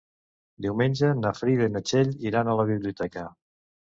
Diumenge na Frida i na Txell iran a la biblioteca.